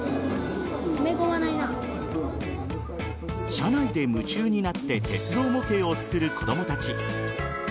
車内で夢中になって鉄道模型を作る子供たち。